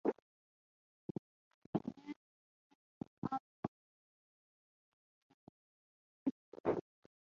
The carabiniers then stormed out of the gates and onto the bridge.